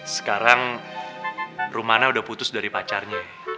sekarang rumahnya udah putus dari pacarnya